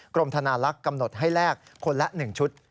กรมธนาลักษณ์กำหนดให้แลกคนละ๑ชุด